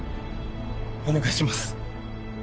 お願いします